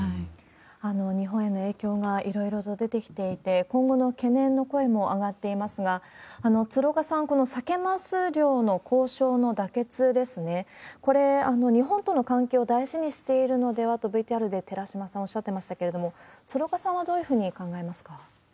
日本への影響がいろいろ出てきていて、今後の懸念の声も上がっていますが、鶴岡さん、このサケマス漁の交渉の妥結ですね、これ、日本との関係を大事にしているのではないかと、ＶＴＲで寺島さん、おっしゃってましたけれども、鶴岡さんはどういうふうに考えますか？